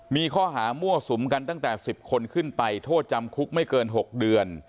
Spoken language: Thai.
มีข้อหามั่วสุมกันตั้งแต่๑๐คนขึ้นไปโทษจำคุกไม่เกิน๖เดือน